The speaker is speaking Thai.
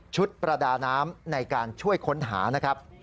ประดาน้ำในการช่วยค้นหานะครับ